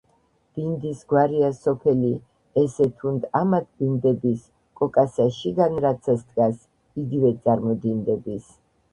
ბინდის გვარია სოფელი, ესე თუნდ ამად ბინდდების, კოკასა შიგან რაცა სდგას, იგივე წარმოდინდების!